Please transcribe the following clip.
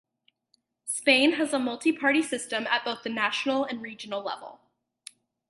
Spain has a multi-party system at both the national and regional level.